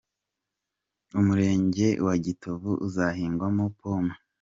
Umurenge wa Gitovu uzahingwamo Pome